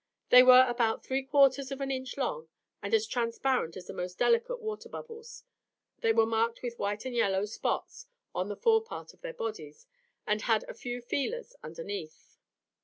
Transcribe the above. They were about three quarters of an inch long, and as transparent as the most delicate water bubbles; they were marked with white and light yellow spots on the forepart of their bodies, and had a few feelers underneath.